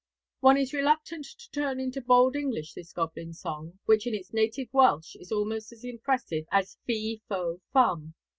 One is reluctant to turn into bald English this goblin song, which in its native Welsh is almost as impressive as 'Fi Fo Fum.'